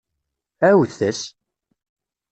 Ԑawdet-as!